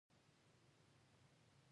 له پښتو سره د پارسي د تربورګلوۍ خبره وه.